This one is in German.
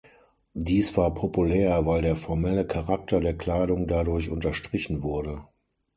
Dies war populär, weil der formelle Charakter der Kleidung dadurch unterstrichen wurde.